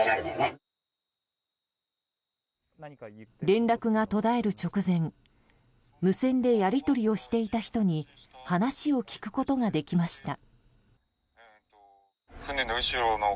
連絡が途絶える直前無線でやり取りをしていた人に話を聞くことができました。